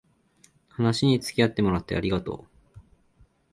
話につきあってもらってありがとう